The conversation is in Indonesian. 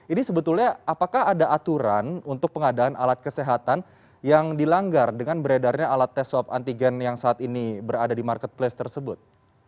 ini sebetulnya apakah ada aturan untuk pengadaan alat kesehatan yang dilanggar dengan beredarnya alat tes swab antigen yang saat ini berada di marketplace tersebut